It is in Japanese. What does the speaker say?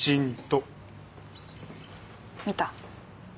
見た？